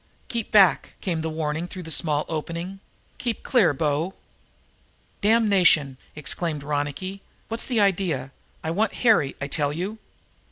"Keep back!" came the warning through this small opening. "Keep clear, bo!" "Damnation!" exclaimed Ronicky. "What's the idea? I want Harry, I tell you."